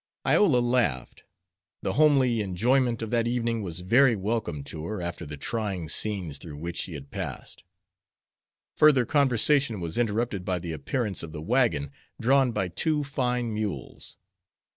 Iola laughed. The homely enjoyment of that evening was very welcome to her after the trying scenes through which she had passed. Further conversation was interrupted by the appearance of the wagon, drawn by two fine mules.